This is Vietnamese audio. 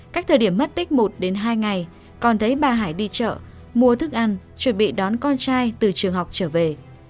cách thời điểm mất tích một hai ngày còn thấy bà hải đi chợ mua thức ăn chuẩn bị đón con trai từ trường học trở về